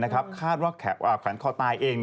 คาดว่าแขวนคอตายเอง